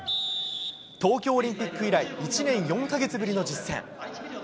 東京オリンピック以来、１年４か月ぶりの実戦。